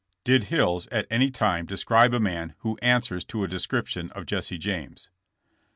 '' *'Did Hills at any time describe a man who an answer to a description of Jesse James."